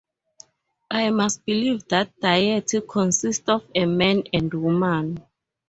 I must believe that deity consists of a man and woman.